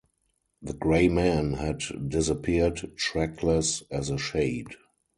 The gray man had disappeared, trackless as a shade.